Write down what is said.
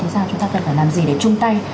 thì sao chúng ta cần phải làm gì để chung tay